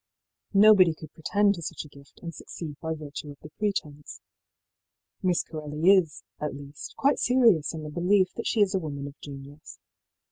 Nobody could pretend to such a gift and succeed by virtue of the pretence. Miss Corelli is, at least, quite serious in the belief that she is a woman of genius.